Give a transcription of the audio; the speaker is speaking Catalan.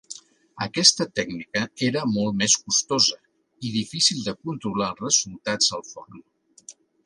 Aquesta tècnica era molt més costosa i difícil de controlar els resultats al forn.